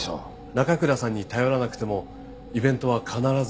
奈可倉さんに頼らなくてもイベントは必ず成功できる。